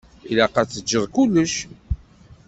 Ilaq ad teǧǧeḍ kullec.